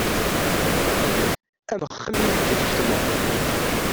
Am uxxam ideg i tḥekmeḍ.